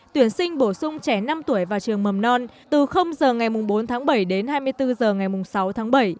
tuyển sinh bổ sung trẻ năm tuổi vào trường mầm non từ h ngày bốn tháng bảy đến hai mươi bốn h ngày sáu tháng bảy